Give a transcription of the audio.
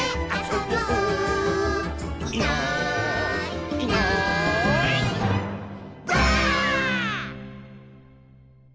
「いないいないばあっ！」